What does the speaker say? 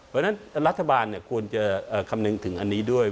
เพราะฉะนั้นรัฐบาลควรจะคำนึงถึงอันนี้ด้วย